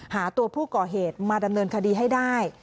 หาตัวผู้ก่อเหตุมาดำเนินคดีให้ได้